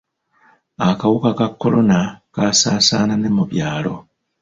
Akawuka ka kolona kasaasaana ne mu byalo.